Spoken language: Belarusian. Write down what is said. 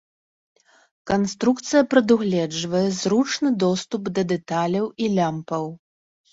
Канструкцыя прадугледжвае зручны доступ да дэталяў і лямпаў.